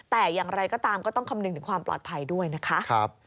แต่อย่างไรก็ตามก็ต้องคำนึงถึงความปลอดภัยด้วยนะคะ